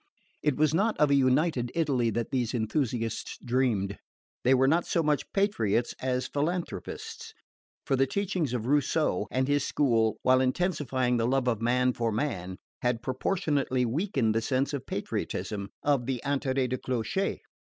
It was not of a united Italy that these enthusiasts dreamed. They were not so much patriots as philanthropists; for the teachings of Rousseau and his school, while intensifying the love of man for man, had proportionately weakened the sense of patriotism, of the interets du clocher.